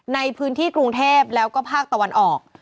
ในพื้นที่กรุงเทพแล้วก็ภาคตะวันออก